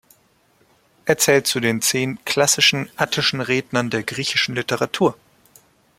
Er zählt zu den zehn klassischen attischen Rednern der griechischen Literatur.